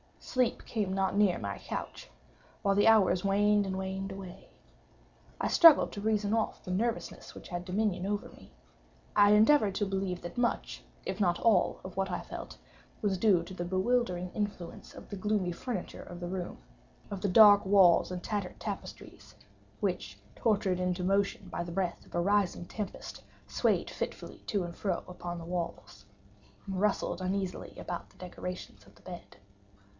Sleep came not near my couch—while the hours waned and waned away. I struggled to reason off the nervousness which had dominion over me. I endeavored to believe that much, if not all of what I felt, was due to the bewildering influence of the gloomy furniture of the room—of the dark and tattered draperies, which, tortured into motion by the breath of a rising tempest, swayed fitfully to and fro upon the walls, and rustled uneasily about the decorations of the bed.